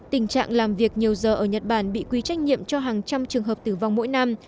tình trạng làm việc nhiều giờ ở nhật bản bị quy trách nhiệm cho hàng trăm trường hợp tử vong mỗi năm